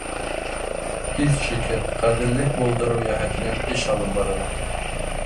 Һис шикһеҙ, ғәҙеллек булдырыу йәһәтенән эш алып барыла.